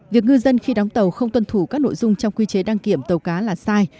việc ngư dân khi đóng tàu không tuân thủ các nội dung trong quy chế đăng kiểm tàu cá là sai